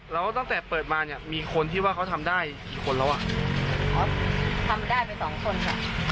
แล้วตั้งแต่เปิดมาเนี่ยมีคนที่ว่าเขาทำได้กี่คนแล้วอ่ะเขาทำได้ไปสองคนค่ะ